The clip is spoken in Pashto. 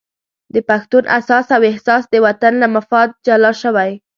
د پښتون اساس او احساس د وطن له مفاد جلا شوی.